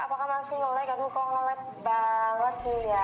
bagus tuh ya